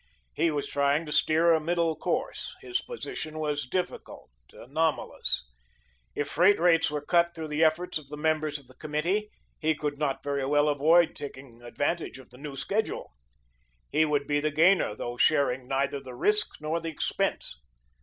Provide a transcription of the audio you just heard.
He was trying to steer a middle course. His position was difficult, anomalous. If freight rates were cut through the efforts of the members of the committee, he could not very well avoid taking advantage of the new schedule. He would be the gainer, though sharing neither the risk nor the expense.